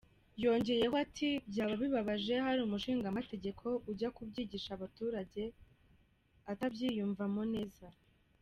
Yongera ati : ’’Byaba bibabaje hari umushingamategeko ujya kubyigisha abaturage atabyiyumvamo neza.